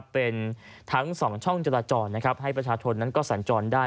เป็นทั้ง๒ช่องจราจรให้ประชาชนนั้นก็สัญจรได้